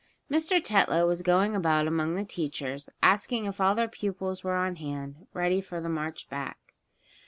Mr. Tetlow was going about among the teachers, asking if all their pupils were on hand, ready for the march back.